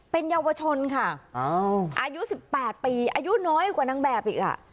เป็นเยาวชนค่ะอายุ๑๘ปีอายุน้อยกว่านางแบบอีก